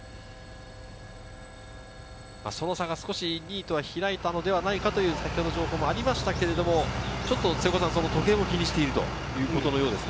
その差が少し２位とは開いたのではないかという情報もありましたけれども、少し時計を気にしているということのようですね。